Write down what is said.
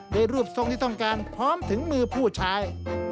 ในรูปทรงที่ต้องการพร้อมถึงมือผู้ชาย